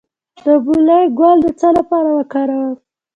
د مولی ګل د څه لپاره وکاروم؟